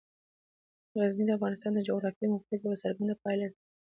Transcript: غزني د افغانستان د جغرافیایي موقیعت یوه څرګنده پایله ده.